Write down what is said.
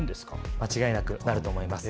間違いなくなると思います。